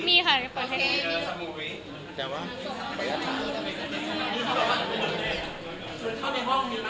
มีค่ะโอเคเออสมุยแต่ว่าขออนุญาตถามกัน